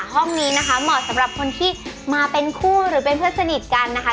ห้องนี้นะคะเหมาะสำหรับคนที่มาเป็นคู่หรือเป็นเพื่อนสนิทกันนะคะ